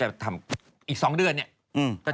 วันที่สุดท้าย